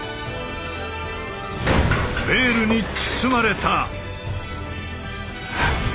ベールに包まれた。